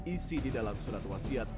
isi di dalam surat wasiat